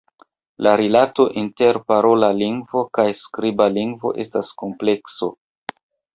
La rilato inter parola lingvo kaj skriba lingvo estas komplekso.